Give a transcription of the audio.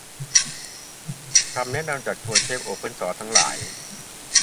คำแนะนำจากทวยทพโอเพนซอร์สทั้งหลาย